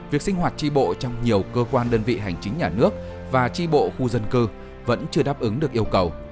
việc sinh hoạt tri bộ trong nhiều cơ quan đơn vị hành chính nhà nước và tri bộ khu dân cư vẫn chưa đáp ứng được yêu cầu